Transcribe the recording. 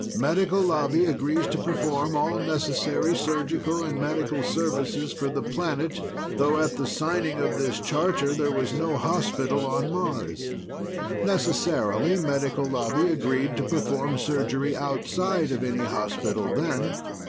Medical Lobby agrees to perform all necessary surgical and medical services for the planet, though at the signing of this charter there was no hospital on Mars. Necessarily, Medical Lobby agreed to perform surgery outside of any hospital, then.